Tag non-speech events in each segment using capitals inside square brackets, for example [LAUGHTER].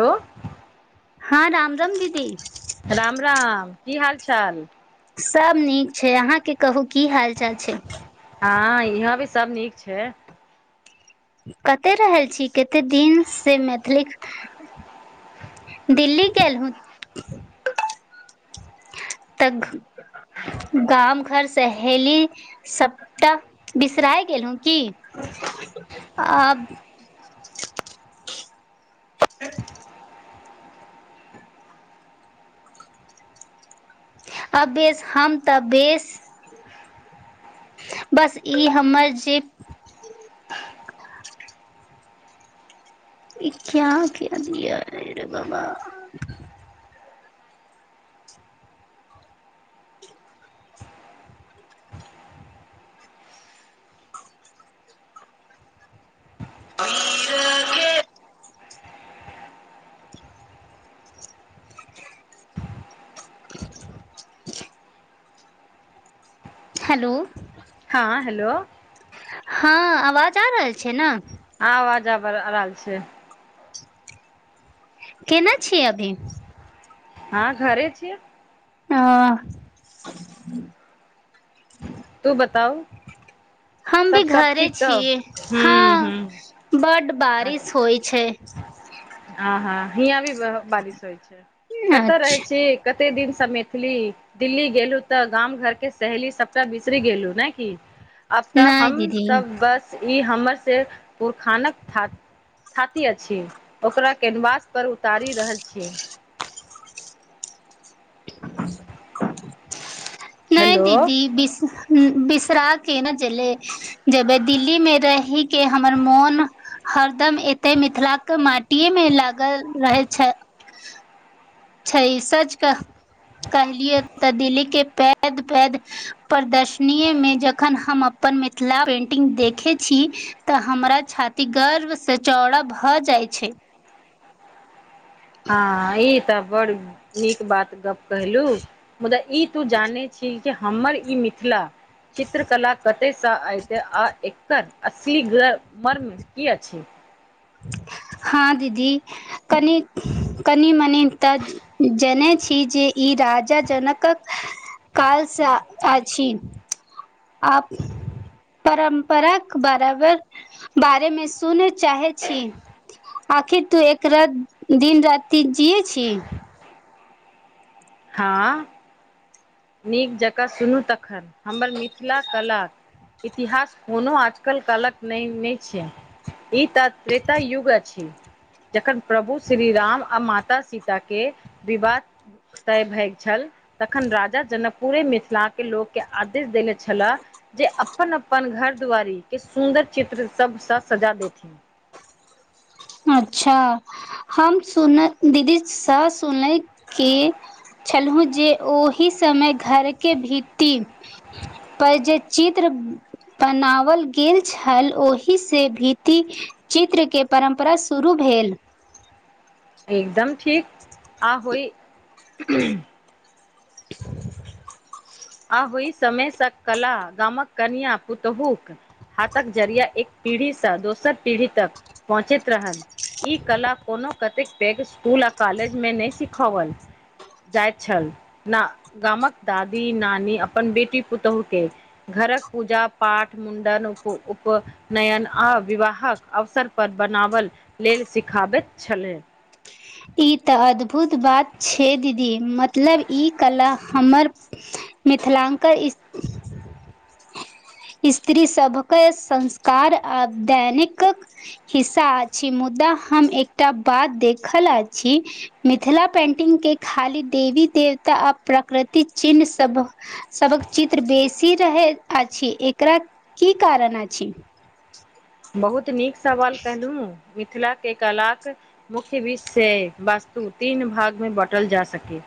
Hello हाँ राम - राम दीदी। राम - राम की हाल चाल? सब नीक छै अहाँके कहू की हाल चाल छै? हाँ इहाँं भी सब नीक छै। कतै रहल छी, केते दिन से मैथिलीक दिल्ली गेलहु त गाम घर सहेली सबटा बिसराय गेलहु की? आ [UNINTELLIGIBLE] अब बेस हम तऽ बेस बस ई हमर जे ई क्या क दियरे बाबा [UNINTELLIGIBLE] [UNINTELLIGIBLE] हेलो। हाँ हेलो। हाँ आवाज आ रहल छै न? आब आवाजब आ रहल छै। केना छियै अभी? हाँ घरे छियै। अ तू बताउ? हम भी सब सब घरे ठीक तऽ छीयै हूँ हूँ हँ बड बारिश होइ छै। ह - ह हियाँ भी बारिश होइ छै, कत रहै अच्छा छी कते दिनसँ मैथिली। दिल्ली गेलहु तऽ गाम घरके सहेली सभटा बिसरी गेलहु ने की अब तऽ नहि दीदी हमसब बस ई हमर से पुरखानक हा। हाती अछि ओकरा कैनवास पर उतारी रहल छीयै। [UNINTELLIGIBLE] नै हेलो दीदी बिस बिसरा केना चले जेबै, दिल्ली मे रहि के हमर मोन हरदम एते मिथिलाक माटिेए मे लागल रहे छै। छै। सच कहलियए तऽ दिल्ली के पैद पैद प्रदर्शनीएमे जखन हम अपन मिथिला पेंटिंग देखै छी। तऽ हमरा छाती गर्वसँ चौड़ा भऽ जाय छै। हँ ई तऽ बड़ नीक बात गप कैहलू। मुदा ई तू जानै छिये कि हमर ई मिथिला चित्र कला कते स ऐते आ एकर असली ग मर्म की अछी। हाँ दीदी कनी, कनी मनि त जनेै छी जे ई राजा जनकक कालसँ आछी आ परम्पराक बराबर बारेमे सुने चाहे छी आखिर तू एकरा दिन राति जिये छी। हँ। नीक जकाँ सुनू तखन हमर मिथिला कला इतिहास कोनो आजकल कालक नहि नहि छियै। ई त त्रेता युग अछि जखन प्रभु श्री राम आ माता सीता के विवाह तय भयल छल तखन राजा जनक पूरे मिथिला के लोकके आदेश देनेे छलाह जे अपन अपन घर दुआरी के सुन्दर चित्र सब सऽ सजा देथिन अच्छा हम सुनत दीदी स सुनैत की छलहुँ जे ओहि समय घरके भित्ती पर जे चित्र बनावल गेल छल ओहि से भित्ती चित्र के परम्प परा शुरू भेल एकदम ठीक आ होइ आ होइ समयसँ कला गामक कनिया पुतहुक हाथक जरिया एक पीढ़ीसँ दोसर पीढ़ी तक पहुँचैत रहल ई कला कोनो कतेक पैघ इसकुल आ कॉलेजमे नहि सिखाओल जाइत छल नऽ गामक दादी नानी अपन बेटी पुतहु के घरक पूजा पाठ मुण्डन उप उप नयन आ विवाहक अवसर पर बनाबल लेल सिखाबैत छलय ई तऽ अद्भुत बात छै दीदी मतलब ई कला हमर मिथिलांकल इस स्त्री सभके संस्कार आ दैनिकक हिस्सा अछि मुदा हम एकटा बात देखल अछि मिथिला पेंटिंग के खाली देवी देवता आ प्रकृति चिन्ह सब सबक चित्र बेसी रहै अछि एकरा की कारण अछि? बहुत नीक सवाल कहलहु मिथिलाके कलाक मुख्य विषय वस्तु तीन भाग मे बाँटल जा सकय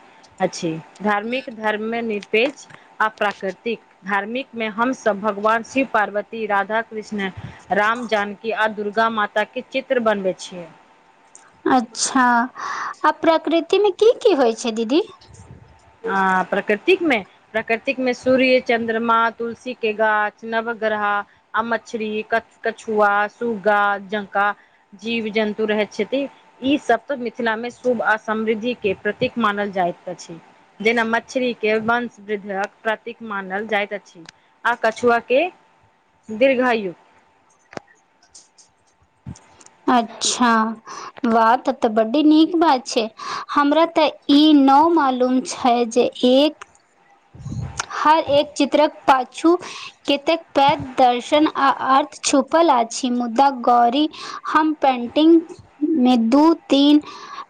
अछि धार्मिक धर्ममे निरपेक्ष आ प्राकृतिक धार्मिक मे हमसब भगवान शिव पार्वती राधा कृष्ण राम जानकी आ दुर्गा माताके चित्र बनबै छियै अच्छा आ प्रकृतिमे की की होइ छै दीदी? आ प्रकृतिकमे प्रकृतिक मे सूर्य चन्द्रमा तुलसी के गाछ नव ग्रह आ मछली क कछुआ सूग्गा जंका जीव जन्तु रहय छथि ई सब तऽ मिथिला मे शुभ आ समृद्धि के प्रतीक मानल जाइत अछि जेना मछरीके वंशवृद्धक प्रतीक मानल जाइत अछि। आ कछुआ के दीर्घायु अच्छा वाह तब तऽ बड्डी नीक बात छै हमरा ते ई न मालूम छै जे एक हर एक चित्रक पाछू कतेक पैघ दर्शन आ अर्थ छुपल अछि मुदा गौरी हम पेंटिंग मे दू तीन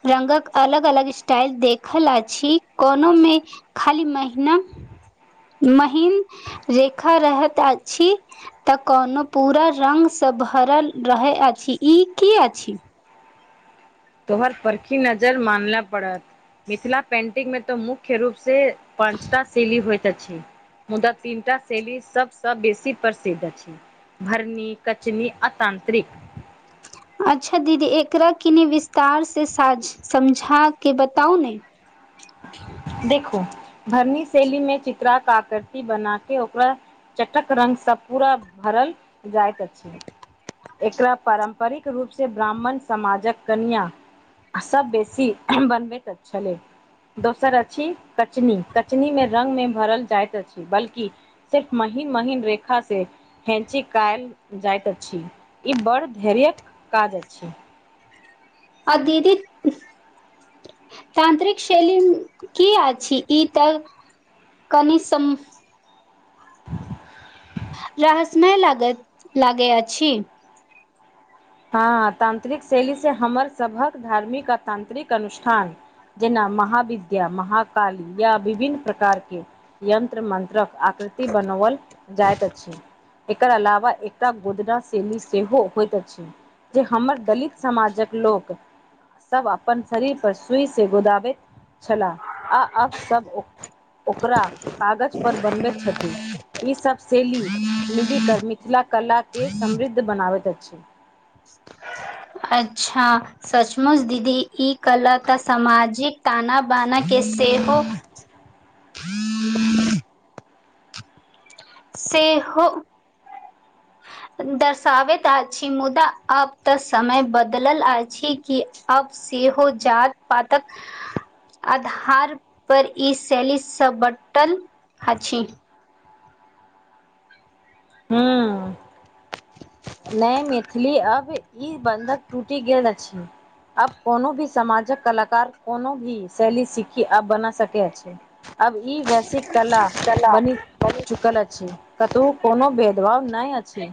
रंगक अलग अलग स्टाइल देखल अछि कोनो मे खाली महिना महीन रेखा रहत अछि। तऽ कोनो पूरा रंगगसँ भरल रहै अछि, ई की अछि? तोहर परखी नजर मानले पड़त, मिथिला पेंटिंग में तो मुख्य रूप से पाँचटा शैली होत अछी। मुदा तीनटा शैली सभसँ बेसी प्रसिद्ध अछि। भरनी, कचनी, आ तांत्रिक। अच्छा दीदी! एकरा केनि विस्तार सेझ, समझाके बताउ ने। देखो भरनी शैली मे, चित्रा काकृति बना के ओकरा चटक रंगग सब पूरा भरल जाइत अछि। एकरा पारम्परिक रूपसँ ब्राह्मण समाजक कनिआँ सब बेसी बनबे तऽ छले। दोसर अछि कचनी, कचनी मे रंग मे भरल जाइत अछि, बल्कि सिर्फ महीन महीन रेखाँ हैँची कयल जाइत अछि। ई बड़ धैर्य काज अछि। आ दीदी! ऊह तानंत्रिक शैली की अछि? ई तऽ कनि सम [INAUDIBLE] रहसमय लाग लागै अछि। हँ तांतत्रिक शैली से, हमर सभक धार्मिक आ तानंतत्रिक अनुष्ठान जेना महाविद्या, मह काली, या विभिन्न प्रकारके यंत्र -मंत्रक आकृति बनाओल जाइत अछि। एकर अलावा, एकटा गोदना शैेली सेहो होइत अछि। जे हमर दलित समाजक लोक सब अपन शरीर पर सुई से गुदाबित छला, आ अब सब ओ ओकरा कागज पर बनबैत छथि। ईसभ शैेली, मिलिकऽ मिथिला कलाके समृद्ध बनाबैत अछि। अच्छा! सचमुच दीदी, ई कला तऽ सामाजिक ताना बाना के सेहो [INAUDIBLE] से हौ। दर्शाबैत अछि, मुदा अब तऽ समय बदलल अछि, कि अब सेहो जात पातक आधार पर, ई शैलीसँ बटल अछि। हुँ। नहि मैथिली अब ई बन्धक टूटि गेल अछि। अब कोनो भी समामाजक कलाक, कोनो भी शैली सिखी अब बना सक अछि। अब ई वैसी कला बनी चुकल अछि, कतहु कोनो भेदभाव नहि अछि।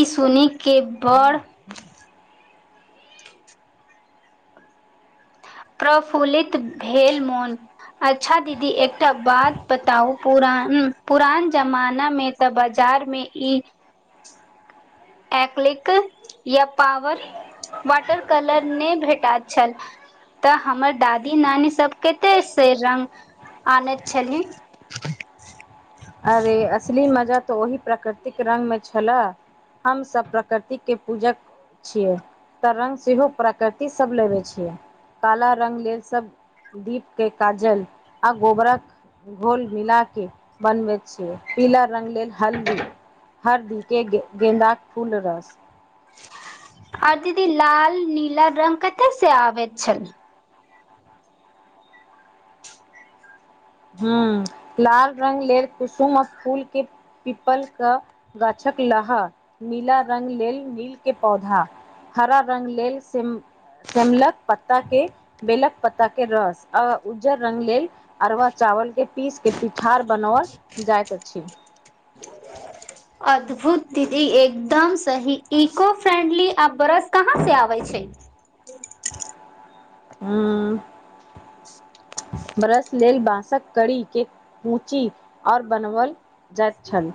ई सुनिक के बड़ प्रफुलित भेल मन। अच्छा दीदी! एकटा बात बताउ, पुर पुरान जमाना मे तऽ बाजार मे ई एककलिक या पॉावर, वाटर कलर नहि भेटल छल। तऽ हमर दादी, नानी सब, केते से रंग आनैत छली? अरे असली मजा तऽ, ओहि प्राकृतिक रंग मे छलए। हम सब प्रकृतिके पूजक छियै त रंग सेहो प्राकृति सब लेबे छियै काला रंग लेल सब दीपके काजल आ गोबरक घोल मिला के बनबैत छियै पीला रंग लेल हल्दी हरदी के गेंन्दाके फूल रस आर दीदी लाल नीला रंग कते से आबैत छल। हू लाल रंग लेल कुसुमक फूल के पीपल क गाछक लहा नीला रङ्ग लेल नीलके पौधा हरा रङ्ग लेल सिम सेमलक पत्ताके बेलक पत्ताके रस आ उज्जर रंग लेल अरबा चावलके पीसके पिठार बनाओल जाइत अछि। आ अद्भुत दीदी एकदम सही, इको फ्रेंडली आ ब्रस कहाँ से आबै छैय। उं। बरश लेल बाँंसक कड़ीके कूची और बनबल जाइत छल।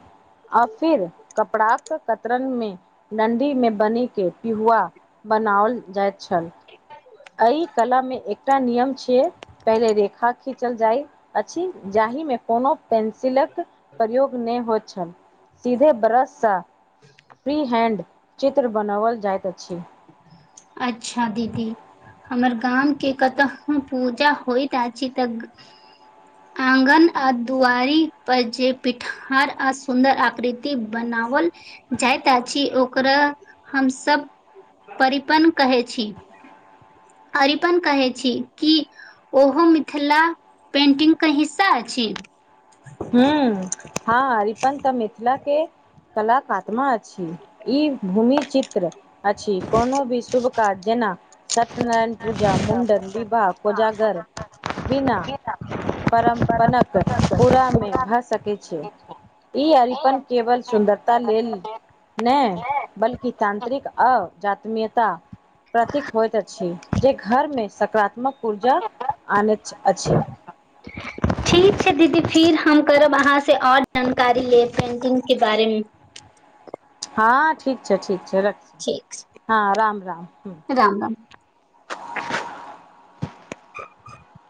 आ फिर कपड़ाक कतरनमे डणडी मे बनी के पिहुआ बनाओल जाइत छल अय कलामे एकटा नियम छैय पहिले रेखा खींचल जाइत अछि जाहिमे कोनो पेंसिलक प्रयोग नै होइत छल सीधे बरस सा फ्रीहैण्ड चित्र बनाबल जाइत अछि। अच्छा दीदी। हमर गामके कतहु पूजा होइत आछि तऽ आगन आ दुआरी पर जे पिठार आ सुंदर आकृति बनावल जाइत आछि ओकरा हमसब परिपन कहै छी अरिपन कहै छी कि ओहो मिथिला पेन्टिंगके हिस्सा अछि? हुं- हँ अरिपन त मिथिला के कलाक आत्मा अछि। इ भूमि चित्र अछि, कोनो भी शुभ कार्य जेना सत्यनारायण पूजा, मुंडन, विवाह, कोजागर बिना परम्पणक पूरा नै भए सकै छैय। इ अरिपन केवल सुन्दरता लेल नय बल्कि तांत्र्रिक अजात्मीयता प्रतीक होइत अछि जे घरमे सकारात्मक ऊर्जा आनैत [INAUDIBLE] अछि ठीक छैय दीदी फिर हम करब अहाँ से और जानकारी लेब पेंटिंगके बारेमे। हँ ठीक छैय, ठीक छैय रखी हँ राम-राम ह। राम-राम। ब